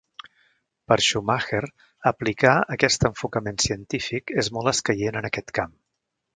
Per Schumacher, aplicar aquest enfocament científic és molt escaient en aquest camp.